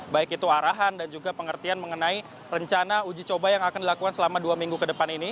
baik itu arahan dan juga pengertian mengenai rencana uji coba yang akan dilakukan selama dua minggu ke depan ini